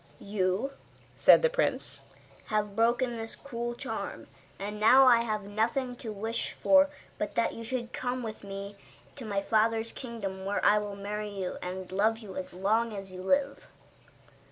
'You,' said the prince, 'have broken his cruel charm, and now I have nothing to wish for but that you should go with me into my father's kingdom, where I will marry you, and love you as long as you live.